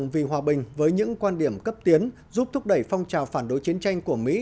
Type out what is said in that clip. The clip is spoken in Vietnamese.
với những quan điểm cấp tiến giúp thúc đẩy phong trào phản đối chiến tranh của mỹ